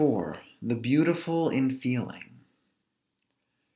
THE BEAUTIFUL IN FEELING.